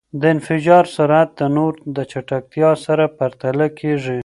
د انفجار سرعت د نور د چټکتیا سره پرتله کېږی.